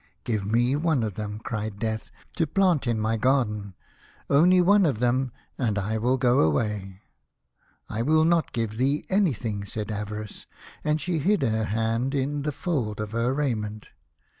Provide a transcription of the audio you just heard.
" Give me one of them," cried Death, " to plant in my garden ; only one of them, and I will go away." " I will not give thee anything," said Ava rice, and she hid her hand in the fold of her raiment.